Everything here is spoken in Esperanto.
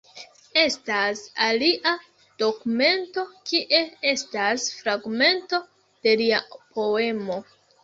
Estas alia dokumento, kie estas fragmento de lia poemo.